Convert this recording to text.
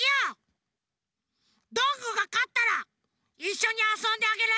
どんぐーがかったらいっしょにあそんであげる！